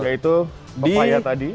yaitu papaya tadi